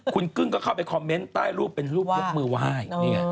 คุณกึ้งก็เข้าไปคอมเมนต์ใต้รูปเป็นรูปยกมือไหว้